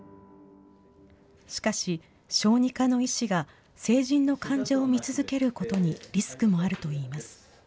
しかし、小児科の医師が成人の患者を診続けることにリスクもあるといいます。